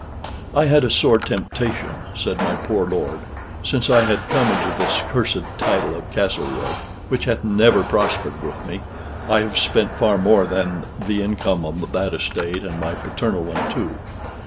"I had a sore temptation," said my poor lord. "Since I had come into this cursed title of Castlewood, which hath never prospered with me, I have spent far more than the income of that estate, and my paternal one, too.